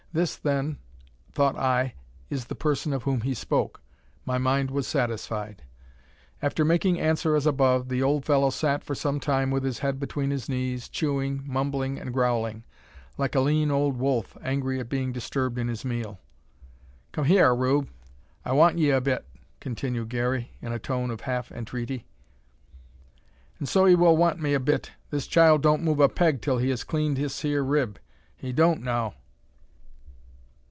This, then, thought I, is the person of whom he spoke. My mind was satisfied. After making answer as above, the old fellow sat for some time with his head between his knees, chewing, mumbling, and growling, like a lean old wolf, angry at being disturbed in his meal. "Come hyar, Rube! I want ye a bit," continued Garey, in a tone of half entreaty. "And so 'ee will want me a bit; this child don't move a peg till he has cleaned this hyur rib; he don't, now!"